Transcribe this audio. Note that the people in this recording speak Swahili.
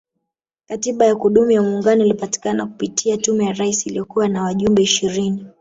Katiba ya kudumu ya muungano ilipatikana kupitia Tume ya Rais iliyokuwa na wajumbe ishirini